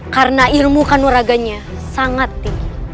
karena ilmu kanuraganya sangat tinggi